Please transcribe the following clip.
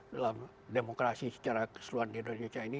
dalam demokrasi secara keseluruhan di indonesia ini